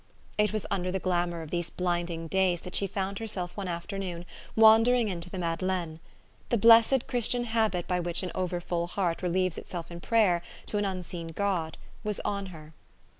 It was under the glamour of these blinding days that she found herself one afternoon wandering into the Madeleine. The blessed Christian habit by which an over full heart relieves itself in prayer to an un seen God, was on her.